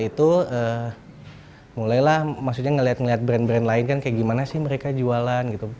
itu mulailah maksudnya ngeliat ngeliat brand brand lain kan kayak gimana sih mereka jualan gitu